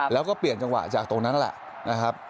แล้วก็เปลี่ยนจังหวะจากตรงนั้นนั่นแหละนะครับ